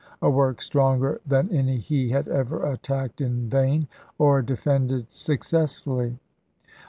' a work stronger than any he had ever attacked pp. 72, 73. in vain or defended successfully.